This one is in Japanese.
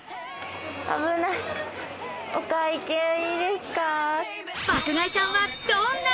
危ないお会計いいですか？